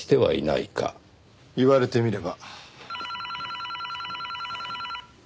言われてみれば。